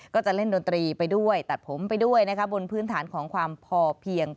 ก็จะเล่นดนตรีไปด้วยตัดผมไปด้วยนะคะบนพื้นฐานของความพอเพียง